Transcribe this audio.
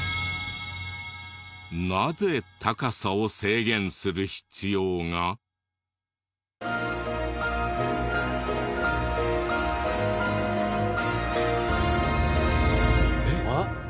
なぜ高さを制限する必要が？えっ？